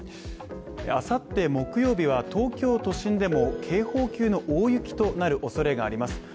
あさって木曜日は、東京都心でも警報級の大雪となるおそれがあります。